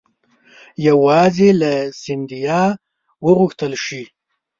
یوازې له سیندهیا وغوښتل شي.